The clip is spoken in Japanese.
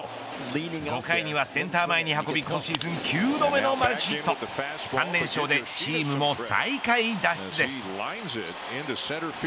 ５回にはセンター前に運び今シーズン９度目のマルチヒット３連勝で、チームも最下位脱出です。